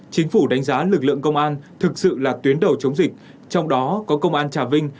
chính phủ đánh giá lực lượng công an thực sự là tuyến đầu chống dịch trong đó có công an trà vinh